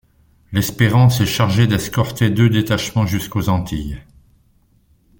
L’Espérance est chargé d’escorter deux détachements jusqu’aux Antilles.